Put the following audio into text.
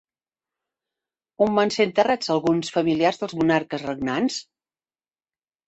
On van ser enterrats alguns familiars dels monarques regnants?